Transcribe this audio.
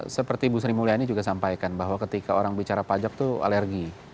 seperti bu sri mulyani juga sampaikan bahwa ketika orang bicara pajak itu alergi